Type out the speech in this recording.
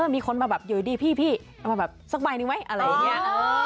มีคนมาแบบอยู่ดีพี่เอามาแบบสักใบหนึ่งไหมอะไรอย่างนี้